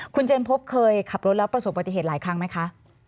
คุณเจนพบเคยขับรถแล้วประสบปฏิเหตุหลายครั้งไหมคะ